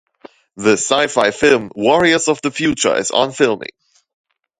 The Sci-fi film "Warriors of Future" is on filming.